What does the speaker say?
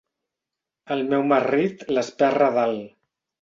El meu marrit l'esperra dalt.